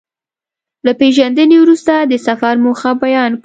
له پېژندنې وروسته د سفر موخه بيان کړه.